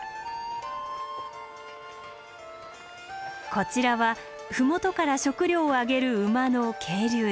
こちらは麓から食糧を上げる馬の係留所。